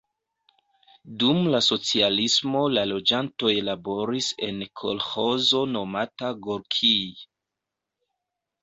Dum la socialismo la loĝantoj laboris en kolĥozo nomata Gorkij.